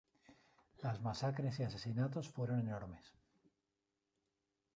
Las masacres y asesinatos fueron enormes.